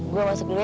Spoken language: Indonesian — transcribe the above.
gua masuk dulu ya